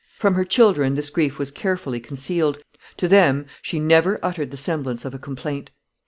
From her children this grief was carefully concealed. To them she never uttered the semblance of a complaint.